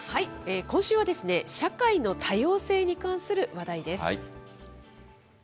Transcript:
今週は、社会の多様性に関する話題です。